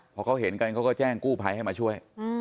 พอเขาเห็นกันเขาก็แจ้งกู้ภัยให้มาช่วย